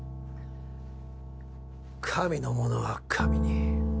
神のものは神に。